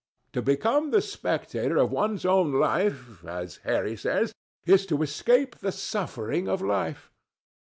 To become the spectator of one's own life, as Harry says, is to escape the suffering of life.